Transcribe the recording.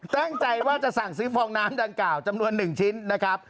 ตั้งใจว่าจะสั่งซื้อฟองน้ำดังกล่าวจำนวน๑ชิ้นนะครับ